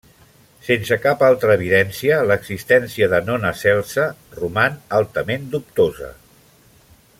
Sense cap altra evidència, l'existència de Nona Celsa roman altament dubtosa.